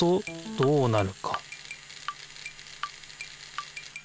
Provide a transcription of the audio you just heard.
どうなる？